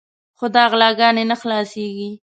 خو دا غلاګانې نه خلاصېږي.